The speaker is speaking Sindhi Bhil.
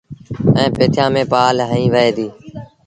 ائيٚݩ پيٿيآݩ ميݩ پآل هنئيٚ وهي ديٚ۔